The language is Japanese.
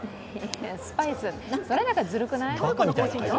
スパイス、それなんかずるくない？